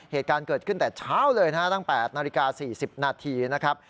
เหตุการณ์เกิดขึ้นแต่เช้าเลยนะฮะตั้ง๘นาฬิกา๔๐นาทีนะครับ